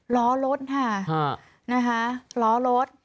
ล้อรถนะคะล้อรถ